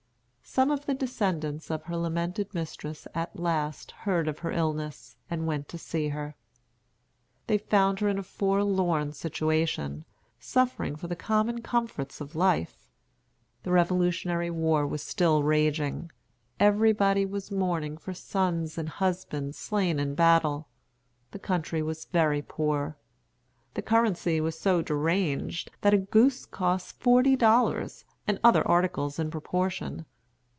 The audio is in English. Some of the descendants of her lamented mistress at last heard of her illness and went to see her. They found her in a forlorn situation, suffering for the common comforts of life. The Revolutionary war was still raging. Everybody was mourning for sons and husbands slain in battle. The country was very poor. The currency was so deranged that a goose cost forty dollars, and other articles in proportion.